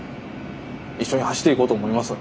一緒に走っていこうと思います。